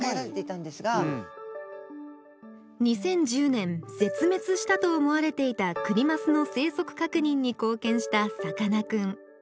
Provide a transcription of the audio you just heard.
２０１０年ぜつめつしたと思われていたクニマスの生息かくにんにこうけんしたさかなクン。